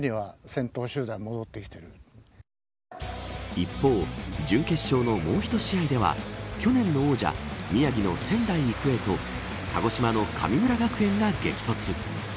一方、準決勝のもう１試合では去年の王者、宮城の仙台育英と鹿児島の神村学園が激突。